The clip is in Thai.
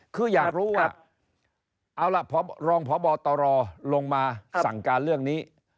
คืออยากรู้ว่าเอาล่ะรองพบตรลงมาสั่งการเรื่องนี้